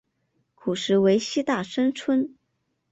古时为西大森村。